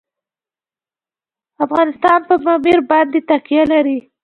افغانستان په پامیر باندې تکیه لري.